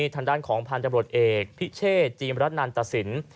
ทางด้านของพันธบรวจเอกพิเชษจีมรัฐนันตสิน